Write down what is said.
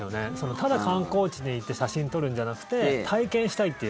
ただ、観光地に行って写真撮るんじゃなくて体験したいという。